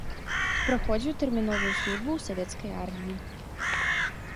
Праходзіў тэрміновую службу ў савецкай арміі.